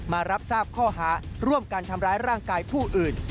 มารับทราบข้อหาร่วมการทำร้ายร่างกายผู้อื่น